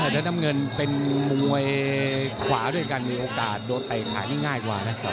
แล้วน้ำเงินเป็นมวยขวาด้วยกันมีโอกาสโดนเตะขานี่ง่ายกว่านะ